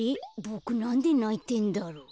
ボクなんでないてんだろう。